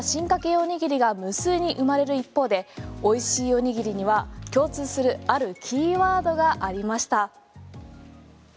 おにぎりが無数に生まれる一方でおいしいおにぎりには共通するあるキーワードがありました。